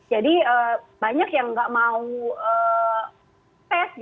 jadi banyak yang nggak mau tes gitu ya